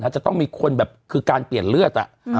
จะต้องมีคนแบบคือการเปลี่ยนเลือด